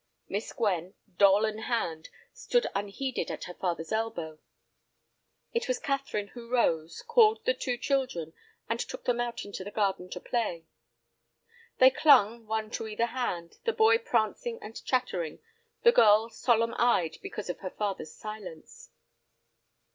Miss Gwen, doll in hand, stood unheeded at her father's elbow. It was Catherine who rose, called the two children, and took them out into the garden to play. They clung, one to either hand, the boy prancing and chattering, the girl solemn eyed because of her father's silence.